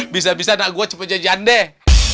bisa bisa nak gue cepet jajan deh